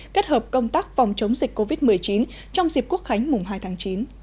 kết hợp công tác phòng chống dịch covid một mươi chín trong dịp quốc khánh mùng hai tháng chín